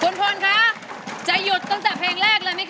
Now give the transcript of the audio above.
คุณพลคะจะหยุดตั้งแต่เพลงแรกเลยไหมค